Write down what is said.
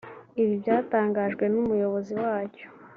Ibi byatangajwe n’Umuyobozi wacyo